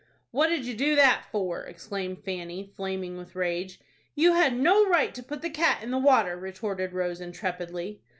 "What did you do that for?" exclaimed Fanny, flaming with rage. "You had no right to put the cat in the water," retorted Rose, intrepidly.